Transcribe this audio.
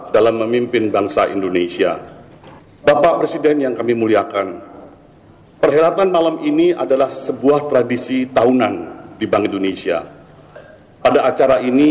dalam memimpin bangsa indonesia